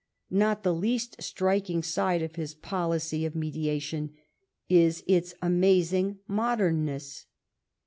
Not the least striking side of his policy of mediation is its amazing modernness.